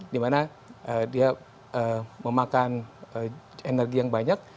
di mana dia memakan energi yang banyak